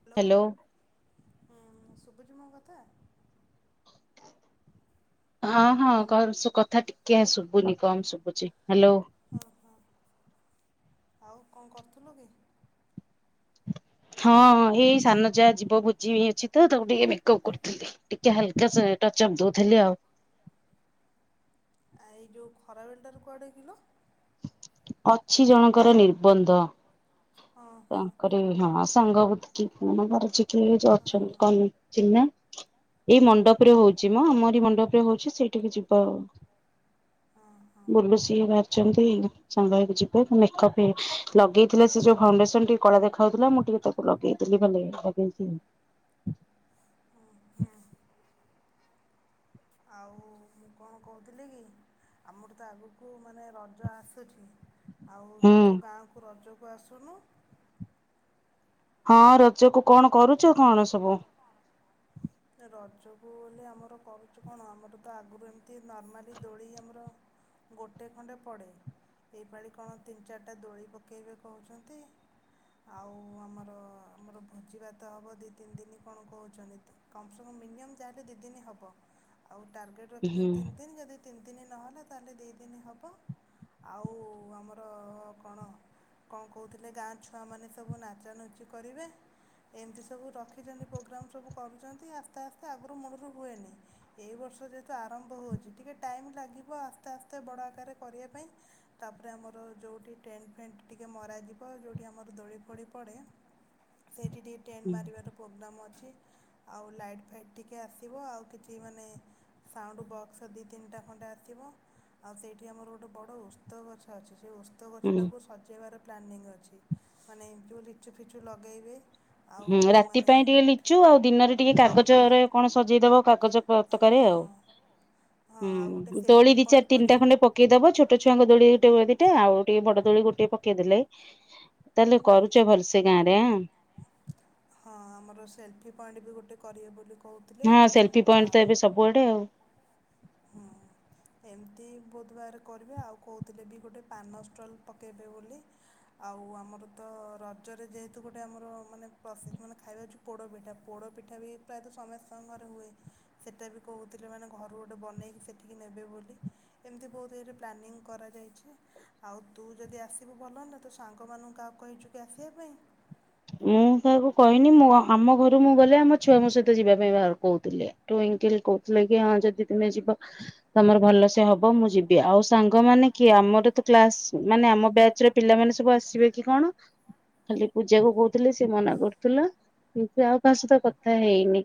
Hello hello [inaudible] ହଁ ଶୁଭୁଛି ମୋ କଥା [inaudible] ହଁ ହଁ ହ୍ୟାଲୋ କହୁନ ସେ କଥା ଟି କିଆଁ ଶୁବୁନି କମ ଶୁବୁଚି ହାଲୋ ଓ ହୋ [inaudible] ଆଉ କଣ କରୁଥିଲୁ କି? ହଁ ଏଇ ସାନ ଯା ଯିବ ଭୋଜି ଅଛି ତ ତାକୁ ଟିକେ ମେକଅପ କରୁଥିଲି। ଟିକେ ହାଲକା ସେ ଟଚ୍ ଅପ୍ ଦଉଥିଲି ଆଉ [inaudible] ଆ ଏଇ ଯୋଉ ଖରାବେଳଟା ରେ କୁଆଡେ ଯିବ? ଅଛି ଜଣଙ୍କର ନିର୍ବନ୍ଧ। ହଁ ହଁ ତାଙ୍କରି ହଁ ସାଙ୍ଗ ଗୋଟେ କିକ୍ ମାନେ ମାରୁଚି। କିଏ ଯେ ହଁ ଅଛନ୍ତି ହଁ କଣ ଚିନ୍ହା ଏଇ ମଣ୍ଡପରେ ହଉଛି ମ ଆମରି ମଣ୍ଡପରେ ହଉଛି। ସେଇଠିକ ଯିବା ଆଉ ହଁ ହଁ [inaudible] ବୋଲେ ସିଏ ଭାରି ଯେମିତି ସାଙ୍ଗ ହେଇକି ଯିବେ। ପୁଣି ମେକଅପ୍ ହେଇ ଲଗେଇଥିଲେ ସେ ଯୋଉ ଫାଉଣ୍ଡେସନ୍ କାଇଁ ଟିକେ କଳା ଦେଖାହଉଥିଲା। ମୁଁ ଟିକେ ତାକୁ ଲଗେଇଦେଲି ଭଲେ ଲଗେଇ [inaudible] ଆଉ ମୁଁ କଣ କହୁଥିଲି କି। ଆମର ତ ଆଗକୁ ମାନେ ରଜ ଆସୁଛି ଆଉ ହୁଁ ତୁ ଗାଁକୁ ରଜ ତୁ ଆସୁନୁ। [inaudible] ହଁ ରଜକୁ କଣ କରୁଛ କଣ ସବୁ। [inaudible] ରଜକୁ ବୋଲି ଆମର କରୁଛୁ କଣ ଆମର ତ ଆଗରୁ ଏମିତି ନର୍ମାଲି ଦୋଳି ଆମର ଗୋଟେ ଖଣ୍ଡେ ପଡ଼େ ଏଇ ପାଳି କଣ ତିନି ଚାରିଟା ଦୋଳି ପକେଇବେ କହୁଛନ୍ତି। ଆଉ ଆମର ଆମର ଭୋଜି ଭାତ ହେବ ଦୁଇ ତିନି ଦିନ କଣ କହୁଛନ୍ତି। ତ କମ ସେ କମ ମିନିମମ୍ ଯାହେଲେ ଦି ଦିନ ହବ। ଆଉ ଟାର୍ଗେଟ ହୁଁ ରଖିଛନ୍ତି ତିନି ଦିନ ଯଦି ତିନି ଦିନ ନହେଲା ତାହେଲେ ଦୁଇ ଦିନ ହେବ ଆଉ ଆମର କଣ କଣ କହୁଥିଲେ ଗାଁ ଛୁଆମାନେ ସବୁ ନାଚନୁଚି କରିବେ। ଏମିତି ସବୁ ରଖିଛନ୍ତି ପ୍ରୋଗ୍ରାମ ସବୁ କରୁଛନ୍ତି। ଆସ୍ତେ ଆସ୍ତେ ଆଗରୁ ମୂଳରୁ ହୁଏନି। ଏଇ ବର୍ଷ ଯେହେତୁ ଆରମ୍ଭ ହେଉଛି ଟିକେ ଟାଇମ୍ ଲାଗିବ। ଆସ୍ତେ ଆସ୍ତେ ବଡ଼ ଆକାରରେ କରିବା ପାଇଁ ତାପରେ ଆମର ଯୋଉଠି ଟେଣ୍ଟ ଫେଣ୍ଟ ଟିକେ ମରାଯିବ। ଯୋଉଠି ଆମର ଦୋଳି ଫୋଳି ପଡ଼େ। ସେଇଠି କି ଟିକେ ଟେଣ୍ଟ ହୁଁ ମାରିବାର ପ୍ରୋଗ୍ରାମ୍ ଅଛି। ଆଉ ଲାଇଟ୍ ଫାଇଟ୍ ଟିକେ ଆସିବ। ଆଉ କିଛି ମାନେ ସାଉଣ୍ଡ ବକ୍ସ ଦି ତିନିଟା ଖଣ୍ଡେ ଆସିବ। ଆଉ ସେଇଠି ଆମର ଗୋଟେ ବଡ଼ ଓସ୍ତ ଗଛ ଅଛି। ଯେ ଓସ୍ତ ହୁଁ ଗଛଟାକୁ ସଜେଇବାର ପ୍ଲାନିଙ୍ଗ ଅଛି ମାନେ ଯୋଉ ଲିଚୁ ଫିଚୁ ଲଗେଇବେ। ଆଉ ହୁଁ ରାତି ମାନେ ପାଇଁ ଟିକେ ଗୋଟେ ଲିଚୁ ଆଉ ଦିନରେ ଟିକେ ହୁଁ କାଗଜରେ କଣ ସଜେଇଦବ କାଗଜ ହଁ ପତକାରେ ଆଉ। ହଁ ଆଉ ଗୋଟେ ହୁଁ ଦୋଳି ସେଲ୍ଫି ଦି ଚାରି ପଏଣ୍ଟ କରି ତିନିଟା ଖଣ୍ଡେ ପକେଇଦବ। ଛୋଟ ଛୁଆଙ୍କ ଦୋଳି ଗୋଟେ ଦିଟା ଆଉ ଟିକେ ବଡଦୋଳି ଗୋଟେ ପକେଇଦେଲେ। ତାହେଲେ କରୁଛ ଭଲ ସେ ଗାଁ ରେ ହଁ ଆମର ସେଲଫି ପଏଣ୍ଟ ବି ଗୋଟେ କରିବେ ବୋଲି କହୁଥିଲେ ହଁ ସେଲଫି ପଏଣ୍ଟ ଆଉ ତ ଏବେ ସବୁଆଡେ ଆଉ ହୁଁ ଏମିତି ବହୁତ ବାର କରିବେ ଆଉ କହୁଥିଲେ ବି ଗୋଟେ ପାନଷ୍ଟ୍ରଲ୍ ପକେଇବେ ବୋଲି ଆଉ ଆମର ତ ରଜରେ ଯେହେତୁ ଗୋଟେ ଆମର ମାନେ ପ୍ରସିଦ୍ଧ ମାନେ ଖାଇବା ଅଛି ପୋଡ଼ପିଠା ପୋଡ଼ ପିଠା ବି ପ୍ରାୟତଃ ସମସ୍ତଙ୍କ ଘରେ ହୁଏ ସେଇଟା ବି କହୁଥିଲେ ମାନେ ଘରୁ ଗୋଟେ ବନେଇକି ସେଠିକି ନେବେ ବୋଲି ଏମିତି ବହୁତ ଏଇରେ ପ୍ଲାନିଂ କରାଯାଇଛି ଆଉ ତୁ ଯଦି ଆସିବୁ ଭଲ ନା ତ ସାଙ୍ଗମାନଙ୍କୁ କହା କହିଛୁ କି ଆସିବା ପାଇଁ? ମୁଁ ତାକୁ କହିନି ମୁଁ ଆମ ଘରୁ ଛୁଆ ଙ୍କ ସହ ଯିବା ପାଇଁ ବାହା କହୁଥିଲେ ଟୁଇଙ୍କିଲ କହୁଥିଲେ କି ତୁମେ ଯଦି ଯିବ ତମର ଭଲ ସେ ହେବ ମୁଁ ଯିବି ସାଙ୍ଗ ମାନେ କିଏ ଆମର ତ କ୍ଲାସ ଆମ ବାଚ୍ ର ପିଲା ମାନେ ସବୁ ଆସିବେ କି କଣ ଖାଲି ବୁଝି ଜାକୁ କହୁଥିଲେ ସେ ମନା କରୁଥିଲା କିନ୍ତୁ ଆଉ କାହା ସତ କଥା ହେଇନି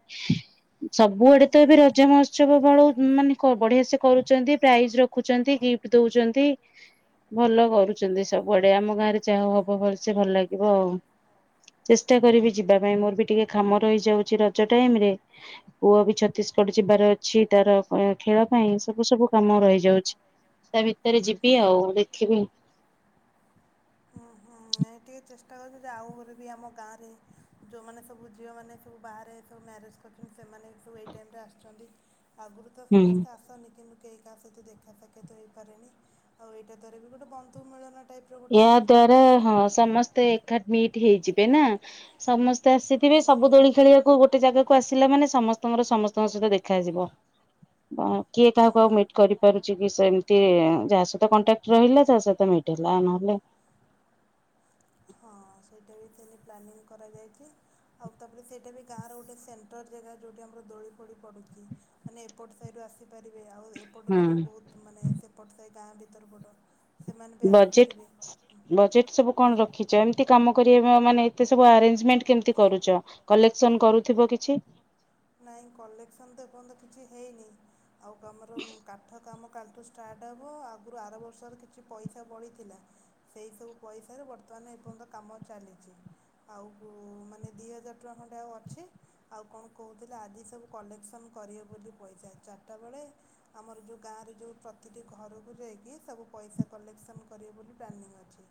ସବୁଆଡେ ତ ଏବେ ରଜ ମହୋତ୍ସବ ବଳ ମାନେ ବଢିଆ ସେ କରୁଛନ୍ତି ପ୍ରାଇଜ ରଖୁଛନ୍ତି ଗିଫ୍ଟ ଦଉଛନ୍ତି ଭଲ କରୁଛନ୍ତି ସବୁଆଡେ ଆମ ଗାଁରେ ଯାହା ହବ ଭଲ ସେ ଭଲ ଲାଗିବ ଆଉ। ଚେଷ୍ଟା କରିବି ଯିବା ପାଇଁ ମୋର ବି ଟିକେ କାମ ରହିଯାଉଛି ରଜ ଟାଇମ୍ ରେ ପୁଅ ବି ଛତିଶଗଡ ଯିବାର ଅଛି ତାର କଣ ଖେଳ ପାଇଁ ସବୁ ସବୁ କାମ ରହିଯାଉଛି ତା ଭିତରେ ଯିବି ଆଉ ଦେଖିବି। ହୁଁ ହୁଁ ଟିକେ ଚେଷ୍ଟା କରୁଛନ୍ତି ଯେ ଆଉ ଘରେ ବି ଆମ ଗାଁରେ ଯେଉଁମାନେ ସବୁ ଝିଅମାନେ ସବୁ ବାହାରେ ସବୁ ମ୍ୟାରେଜ୍ କରୁଛନ୍ତି ସେମାନେ ସବୁ ଏଇ ଟାଇମ୍ ରେ ଆସୁଛନ୍ତି। ଆଗୁରୁ ତ ହୁଁ ସମସ୍ତେ ଆସନି କିମି କେହି କାହା ସହିତ ଦେଖା ସାକ୍ଷାତ ହେଇପାରେନି ଆଉ ଏଇଟା ଦାରରେ ବି ଗୋଟେ ବନ୍ଧୁ ମିଳନ ଟାଇପ୍ର ଗୋଟେ ଏହା ହେଇଯିବ ଦ୍ଵାରା ବି ହଁ। ସମସ୍ତେ ଏକା ମିଟ୍ ହେଇଯିବେ ନା ସମସ୍ତେ ଆସିଥିବେ ସବୁ ହୁଁ। ଦୋଳି ଖେଳିବାକୁ ଗୋଟେ ଜାଗାକୁ ଆସିଲା ମାନେ ସମସ୍ତଙ୍କର ସମସ୍ତଙ୍କ ସହିତ ଦେଖାଯିବ କିଏ କାହାକୁ ଆଉ ହୁଁ। ମିଟ୍ କରିପାରୁଛି କି ସେମିତି ଯାହା ସହିତ କଣ୍ଟାକ୍ଟ ରହିଲା ତାହା ସହିତ ମିଟ୍ ହେ ଲା ନହଲେ ହଁ ସେଇଟା ବି ସେନ ପ୍ଲାନିଂ କରାଯାଇଛି ଆଉ ତାପରେ ସେଇଟା ବି ଗାଁର ଗୋଟେ ସେଣ୍ଟରଲ ଜାଗା ଯେଉଁଠି ଆମର ଦୋଳି ଫୋଳି ପଡ଼ୁଛି ମାନେ ଏପଟ ସାଇଡ଼ୁ ଆସି ପାରିବେ ଆଉ ହୁଁ ଏପଟରୁ ବି ବହୁତ ମାନେ ସେପଟ ସାଇ ଗାଁ ବି ଦର୍ ବଡନ୍ ସେମାନେ ବଜେଟ୍ ବଜେଟ୍ ସବୁ କଣ ରଖିଛ ଏମିତି କାମ ମାନେ ଏତେ ସବୁ ଆରେଞ୍ଜମେଣ୍ଟ କେମତି କରୁଛ କଲେକ୍ସନ କରୁଥିବ କିଛି? ନାଇଁ କଲେକ୍ସନ ତ ଏପର୍ଯ୍ୟନ୍ତ କିଛି ହେଇନି। ଆଉ କାମର କାଠ କାମ କାଲିଠୁ ଷ୍ଟାର୍ଟ ହେବ ଆଗରୁ ଆର ବର୍ଷର କିଛି ପଇସା ବଳି ଥିଲା ସେଇସବୁ ପଇସାରେ ବର୍ତ୍ତମାନ ଏପର୍ଯ୍ୟନ୍ତ କାମ ଚାଲିଚି ଆଉ ମାନେ ଦୁଇ ହଜାର ଟଙ୍କା ଖଣ୍ଡେ ଆଉ ଅଛି ଆଉ କଣ କହୁଥିଲେ ଆଜି ସବୁ କଲେକ୍ସନ୍ କରିବେ ବୋଲି ପଇସା ଚାରିଟା ବେଳେ ଆମର ଯେଉଁ ଗାଁରେ ଯେଉଁ ପ୍ରତିଟି ଘରକୁ ଯାଇକି ସବୁ ପଇସା କଲେକ୍ସନ୍ କରିବେ ବୋଲି ପ୍ଲାନିଂ ଅଛି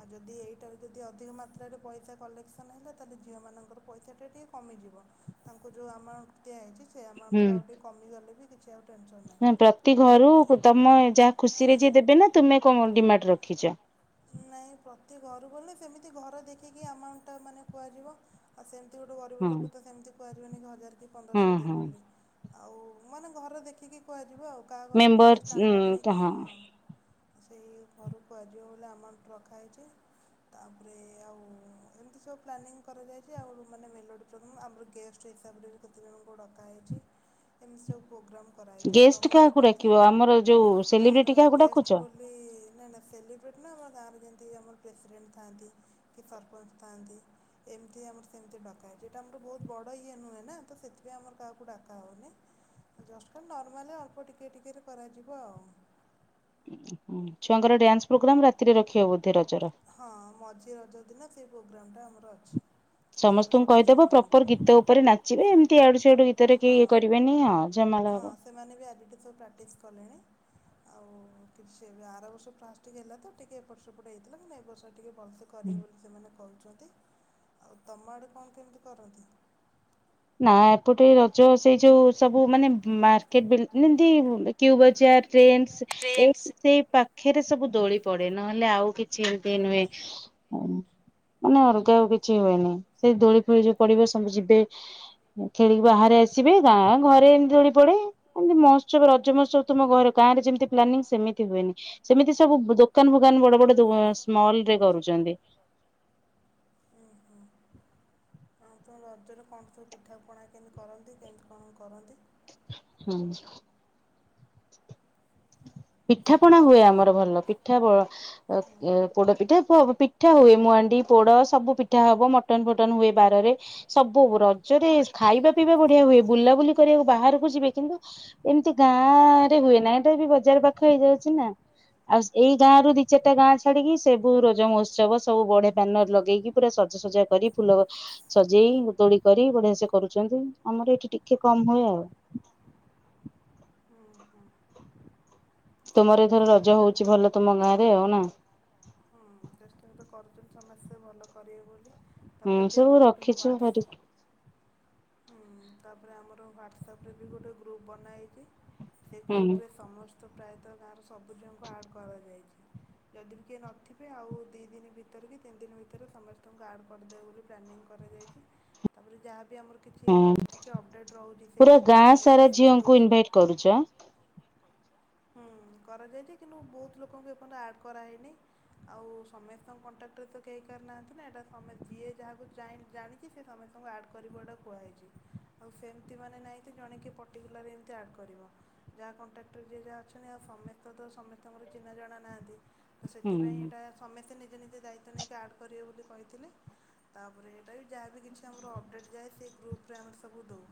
ଆଉ ଯଦି ଏଇଟାରୁ ଯଦି ଅଧିକ ମାତ୍ରାରେ ପଇସା କଲେକ୍ସନ୍ ହେଲା ତାହେଲେ ଝିଅମାନଙ୍କର ପଇସାଟେ ଟିକିଏ କମିଯିବ। ତାଙ୍କୁ ଯେଉଁ ଆମାଉଣ୍ଟ ଦିଆଯାଇଚି ସେଇ ଆମାଉଣ୍ଟ ର ଆଉ ହୁଁ ଟିକେ କମି ଗଲେ ବି କିଛି ଆଉ ଟେନସନ୍ ନାହିଁ ପ୍ରତି ଘରୁ ତମ ଯାହା ଖୁସିରେ ଯିଏ ଦେବେ ନା ତୁମେ କଣ ଡିମାଣ୍ଡ୍ ରଖିଛ? ନାଇ ପ୍ରତି ଘରୁ ବଲେ ସେମିତି ଘର ଦେଖିକି ଆମାଉଣ୍ଟ୍ ଟା ମାନେ କୁହାଯିବ ଆଉ ସେ ଗୋଟେ ଗରିବ ହଁ ଲୋକ ତ ସେମିତି [unintelligible] ହଜାରେ ଆ ହଁ ପନ୍ଦରଶ ଦିଅ ହଁ ବୋଲି। ଆଉ ମାନେ ଘର ଦେଖିକି କୁହା କାହା ଘରୁ ମେମ୍ବର କେମିତି ଷ୍ଟାଣ୍ଡାଡ୍ ନେଇକି ହଁ। ସେଇ ଘରକୁ ଆଯିବ ବଲେ ଆମା ରଖାହେଇଛି ତାପରେ ଆଉ ଏମିତି ସବୁ ପ୍ଲାନିଂ କରାଯାଇଛି ଆଉ ମାନେ ମେଲୋଡ଼ି ପ୍ରୋଗ୍ରାମ୍ ଆମର ଗେଷ୍ଟ ହିସାବରେ ବି କେତେଜଣଙ୍କୁ ଡକାହୋଇଛି ଏମିତି ସବୁ ପୋଗ୍ରାମ କରାହେଇଛି ଆଉ ଗେଷ୍ଟ ତମ ଆଡେ କାହାକୁ କଣ କେ ଡାକିବ ଆମର ଯୋଉ ଗାଁର ସେଲିବ୍ରିଟି କାହାକୁ ଗେଷ୍ଟ ଡାକୁଛ? ବୋଲି ନା ନା ସେଲିବ୍ରେଟ ନା ମା ଗାଁ ର ଯେମିତି ଆମର ପ୍ରେସିଡେଣ୍ଟ ଥାଆନ୍ତି କି ସରପଞ୍ଚ ଥାଆନ୍ତି ଏମିତି ଆମର ସେମିତି ଡକାଏ ଯେଇଟା ଆମର ବହୁତ ବଡ଼ ଇଏ ନୁହେଁ ନା ତ ସେଥିପାଇଁ ଆମର କାହାକୁ ଡାକା ହୁଏନି ଜଷ୍ଟ କା ନର୍ମାଲି ଅଳ୍ପ ଟିକଏ ଟିକଏରେ କରାଯିବ ଆଉ। ହୁଁ ଛୁଆଙ୍କର ଡ୍ୟାନ୍ସ୍ ପ୍ରୋଗ୍ରାମ ରାତିରେ ରଖିବ ବୋଧେ ରଜର‌? ହଁ ମଝି ରଜ ଦିନ ସେଇ ପ୍ରୋଗ୍ରାମ ଟା ହୁ ସମସ୍ତଙ୍କୁ କହିଦବ ପ୍ରପର ଗୀତ ଉପରେ ନାଚିବେ ଏମ୍ କି ଏଆଡୁସ୍ୟାଡୁ ଗି ଭିତରେ କି ହଁ ଇଏ କରିବେନି ଆଉ ଜମା ହଁ ଲ ସେମାନେ ବି ଆଜିଠୁ ସବୁ ପ୍ରାକ୍ଟିସ୍ କଲେଣି। ଆଉ କିଛି ଆର ବର୍ଷ ପ୍ଲାସଟିକ ହେଲା ତ ଟିକେ ଏପଟ ସେପଟ ହେଇଥିଲା ମାନେ ଏ ବର୍ଷ ଟିକେ ଭଲସେ କରିବେ ବୋଲି ସେମାନେ କହୁଛ ରୁହନ୍ତି ଆ ତମ ଆଡ଼େ କଣ କେମିତି କରନ୍ତି? ଆ ଏପଟେ ରଜ ସେଇ ଯୋଉ ସବୁ ମାନେ ମ୍ ମାର୍କେଟ ବ୍ଲିଡ଼୍ ଏମିତି କ୍ୟୁବଜାର ଟ୍ରେଣ୍ଡସ୍ ଏଇ ସେଇ ପାଖରେ ସବୁ ଦୋଳି ପଡେ ନହେଲେ ଆଉ କିଛି ଏମିତି ନୁହେଁ। ମାନେ ଅଲଗା ଆଉ କିଛି ହୁଏନି ସେଇ ଦୋଳି ଫୋଳି ଯୋଉ ପଡିବ ସବୁ ଯିବେ- ଖେଳିକି ବାହାରେ ଆସିବେ ଗାଁ ଘରେ ଏମିତି ଦୋଳି ପଡେ। ଏମିତି ମହତ୍ସବ ରଜ ମହତ୍ସବ ତୁମ ଘରେ ଗାଁ ରେ ଯେମିତି ପ୍ଲାନିଂ ସେମିତି ହୁଏନି। ସେମିତି ସଵୁ ଦୋକାନ ଫୋକାନ ବଡ ବଡ ଦୋ ସ୍ମଲରେ କରୁଛନ୍ତି। ଉଁ ହୁଁ ଆଉ ରଜରେ କଣ ସବୁ ପିଠା ପଣା କେମିତି କରନ୍ତି କେମିତି କଣ କରନ୍ତି? [inaudible] ପିଠା ପଣା ହୁଏ ଆମର ଭଲ ପିଠା ବ ହୁଁ ଅ-ଅ-ଅ ପୋଡ ପିଠା ବ ପିଠା ହୁଏ ମାଣ୍ଡି, ପୋଡ ସବୁ ପିଠା ହବ ମଟନ ଫଟନ ହୁଏ ବାରରେ। ସବୁ ରଜରେ ଖାଇବା ପିଇବା ବଢିଆ ହୁଏ। ବୁଲାବୁଲି କରିବାକୁ ବାହାରକୁ ଯିବେ କିନ୍ତୁ ଏମିତି ଗାଁ ଆ-ଆ-ଆ ରେ ହୁଏ ନା ଏଟା ବି ବଜାର ପାଖ ହଁ ହେଇଯାଉଛି ନା ଆଉ ଏଇ ଗାଁ ରୁ ଦି ଚାରିଟା ଗାଁ ଛାଡିକି ସବୁ ରଜ ମହୋତ୍ସବ ସବୁ ବଢିଆ ପାନର ଲଗେଇକି ପୁରା ସଜାସଜା କରି ଫୁଲ ସଜେଇ ଦୋଳି କରି ବଢିଆ ସେ କରୁଛନ୍ତି। ଆମର ଏଇଠି ଟିକେ କମ ହୁଏ ଆଉ। ହୁଁ ହୁଁ ହେଲେ ତମର ଏମିତି ଏଥର ସବୁ ରଜ ହଉଛି ଭଲ ତମ ଗାଁ ରେ ଆଉ ନା। ଇଂଟରେଷ୍ଟ ତ କରୁଛନ୍ତି ସମସ୍ତେ ଭଲ କରିବେ ବୋଲି। ହୁଁ ତାପରେ ବି ସବୁ ଆମର ଗୋଟେ ରଖିଛୁ ହ୍ୱାଟ୍ସଆପ୍ [unintelligible] ହୁଁ ତାପରେ ଆମର ହ୍ୱାଟ୍ସଆପରେ ବି ଗୋଟେ ଗ୍ରୁପ୍ ବନାହେଇଛି। ସେ ହୁଁ ଗ୍ରୁପରେ ସମସ୍ ତ ପ୍ରାୟତଃ ଗାଁର ସବୁଝିଅଙ୍କୁ ଆଡ଼୍ କରାଯାଇଛି। ଯଦି ବି କିଏ ନ ଥିବ ବେ ଆଉ ଦି ଦିନ ଭିତରେ କି ତିନି ଦିନ ଭିତରେ ସମସ୍ତଙ୍କୁ ଆର୍ଡ଼ କରିଦେବେ ବୋଲି ପ୍ଲାନିଂ କରାଯାଇଛି। ତାରେ ଯାହା ବି ଆମର କିଛି ହୁଁ ରଜ୍ କିଛି ଅପଡ଼େଟ୍ ରହୁଛି ପୁରା ସେଇଥିରେ ଆମେ ଗାଁ ସାରା ମେସେଜ୍ ଝିଅଙ୍କୁ କରିଦେଉଛୁ। ଇନଭାଇଟ କରୁଛ ହୁଁ କରାଯାଇଛି କିନ୍ତୁ ବହୁତ ଲୋକଙ୍କୁ ଏପର୍ଯ୍ୟନ୍ତ ଆଡ଼୍ କରାହଇନି। ଆଉ ସମସ୍ତଙ୍କ କଣ୍ଟାକ୍ଟର ତ କେହି କାହାର ନାହାଁନ୍ତି ନା। ଏଇଟା ସମେ ଯିଏ ଯାହାକୁ ଜାଣି ଜାଣିଛି ସି ସମସ୍ତଙ୍କୁ ଆଡ଼୍ କରିବଟ କୁହାହେଇଛି। ଆଉ ସେମିତି ମାନେ ନାହିଁ ଯେ ଜଣେ କିଏ ପର୍ଟିକୁଲାର ଏମିତି ଆଡ଼୍ କରିବ। ଯାହା କଣ୍ଟାକ୍ଟରେ ଯିଏ ଯାହା ଅଛନ୍ତି ଆଉ ସମସ୍ତେ ତ ସମସ୍ତଙ୍କର ଚିହ୍ନା ଜଣା ନାହାନ୍ତି। ତ ହୁଁ ସେଥିପାଇଁ ଏଇଟା ସମସ୍ତେ ନିଜେ ନିଜେ ଦାୟିତ୍ୱ ନେଇକି ଆଡ୍ କରିବେ ବୋଲି କହିଥିଲି ତାପରେ ଏଇଟା ବି ଯାହା ବିି କିଛି ଆମର ଅପଡ଼େଟ୍ ଯାଏ ସେ ଗ୍ରୁପ୍ରରେ ଆମେ ସବୁ ଦେଉ।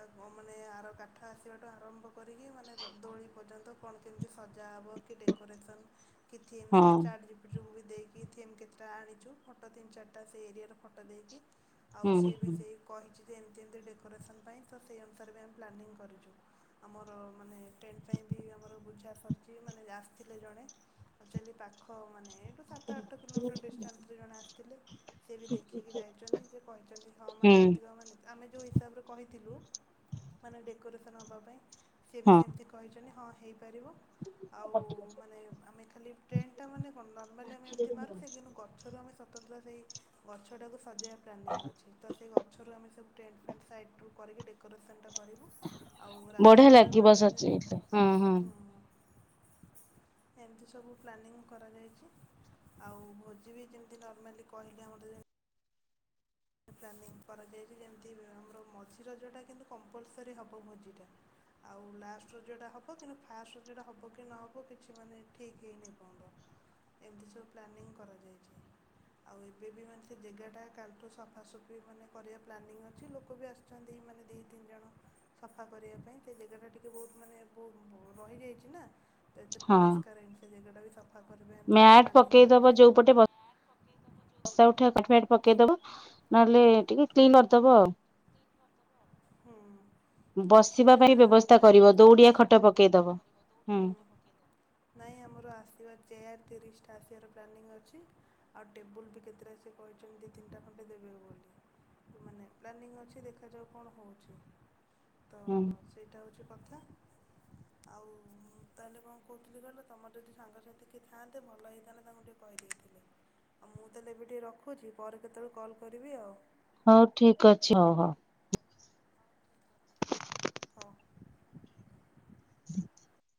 ତାକୁ ମାନେ ଆର କାଠ ଆସିବାଠୁ ଆରମ୍ଭ କରିକି ମାନେ ଦୋଳି ପର୍ଯ୍ୟନ୍ତ କଣ କେମିତି ସଜାହେବ କି ଡେକୋରେସନ୍ କିଏ ହଁ [unintelligible] ଚାଟ୍ ଜି ପି ଟି ଦେଇକି ଥିମ୍ କେତେଟା ଆଣିଛୁ। ଫଟୋ ତିନି ଚାରିଟା ସେ ଏରିଆର ଫଟୋ ଦେଇକି ଆଉ ହୁଁ ସେ ବି ହୁଁ ସେଇ କହିଛି ଏମିତି ଏମିତି ଡେକୋରେସନ୍ ପାଇଁ ତ ସେହି ଅନୁସାରେ ବି ଆମେ ପ୍ଲାନିଂ କରିଛୁ। ଆମର ମାନେ ସେ ପାଇଁ ବି ଆମର ବୁଝା ସରିଛି। ମାନେ ଆସିଥିଲେ ଜଣେ ଆକ୍ଚୁଆଲି ପାଖ ମାନେ ସାତ ଆଠ କିଲୋମିଟର ଡିଷ୍ଟାନ୍ସରେ ଜଣେ ଆସିଥିଲେ। ସେ ବି ଦେଖିକି ଯାଇଛନ୍ତି ସେ କହିଛନ୍ତି ହଁ ମାନେ ହୁଁ ଏତିକି ମାନେ ଆମେ ଯୋଉ ହିସାବରେ କହିଥିଲୁ ମାନେ ଡେକୋରେସନ ହବା ପାଇଁ ସିଏ ବି ହଁ ସେମିତି କ କହିଛନ୍ତି ହଁ ହେଇ ପାରିବ ଆଉ ମାନେ ଆମେ ଖାଲି ଟେଣ୍ଟ ଟା ମାନେ କଣ ନର୍ମାଲି ଆମେ ଏମତି ମାରୁଚେ କିନ୍ତୁ ଗଛରୁ ଆମେ ସ ସତତ ସେଇ ଗଛଟାକୁ ସଜେଇବା ପ୍ଲାନିଂ ଅଛି ତ ସେ ଗଛରୁ ଆମେ ସବୁ ଟେଣ୍ଟ ଫେଣ୍ଟ ସାଇଡ ରୁ କରିକି ଡେକୋରେସନ୍ ଟା କରିବୁ ଆଉ ରାତିରେ ତ ମାନେ ହଁ, ହଁ। ଏମିତି ସବୁ ପ୍ଲାନିଂ କରାଯାଇଚି, ଆଉ ଭୋଜି ବି ଯେମିତି ନର୍ମାଲି କହିଲେ ଆମର ଯେ ପ୍ଲାନିଂ କରାଯାଇଚି, ଯେମିତି ଆମର ମଝି ରଜଟା କିନ୍ତୁ କମ୍ପଲସରି ହବ ଭୋଜିଟା, ଆଉ ଲାଷ୍ଟ୍ ରଜଟା ହବ କିନ୍ତୁ ଫାଷ୍ଟ ରଜଟା ହବ କି ନ ହବ କିଛି ମାନେ ଠିକ୍ ହେଇନି, ଏତେ ସବୁ ପ୍ଲାନିଂ କରାଯାଇଛି, ଆଉ ଏବେ ବି ମାନେ ସେ ଜାଗାଟା କାଲିଠୁ ସଫ ଫା ସୁଫି ମାନେ କରିବା ପ୍ଲାନିଂ ଅଛି, ଲୋକ ବି ଆସୁଚନ୍ତି ମାନେ ଦି ତିନି ଜଣ ସଫା କରିବା ପାଇଁ, ସେ ଜାଗାଟା ଟିକେ ବହୁତ ମାନେ ବହୁ ରହିଯାଇଚି ନା। ତ ଏତେ ପରିସ୍କାର ହେଇନି ସେ ଜାଗା ଟା ବି ସ ମ୍ୟାଟ୍ ପକେଇଦବ ଯୋଉପଟେ ବ ବସା ଉଠା କାରପେଟ୍ ପକେଇଦବ ନହେଲେ ଟିକେ କ୍ଲିନ୍ କରିଦବ ଆଉ। ହୁଁ ତ ବସିବା ସେଇଟା ପାଇଁ ବ୍ୟବସ୍ଥା ପ୍ଲାନିଂ କରିବ ଅଛି, ଦୌଡିଆ ଖଟ ପକେଇଦବ ହୁଁ ଅବଶ ନାଇଁ ଆମର ଆସିବ ଚେୟାର ତିରିଶଟା ଆସିବାର ପ୍ଲାନିଂ ଅଛି, ଆଉ ଟେବୁଲ୍ ବି କେତେଟା ସେ କହିଚନ୍ତି ଦି ତିନ ଟା ଖଣ୍ଡେ ଦେବେ ବୋଲି, ମାନେ ପ୍ଲାନିଂ ଅଛି ଦେଖାଯାଉ କଣ ହ ତ ହୁଁ ସେଇଟା ହଉଛୁ କଥା ଆଉ ମୁଁ ତାହେଲେ କଣ କହୁଥିଲି କହିଲ, ତୋମର ଯଦି ସାଙ୍ଗସାଥି କିଏ ଥାଆନ୍ତେ ଭଲ ହେଇଥାନ୍ତା ତାଙ୍କୁ ଟିକେ କହିଦେଇଥିଲେ, ଆଉ ମୁଁ ତାହେଲେ ଏବେ ଟିକିଏ ରଖୁଚି ପରେ କେତେବେଳେ କଲ୍ କରିବି ଆଉ। ହଉ ଠିକ ଅଛି, ହଉ, ହଉ। ହଉ। [inaudible]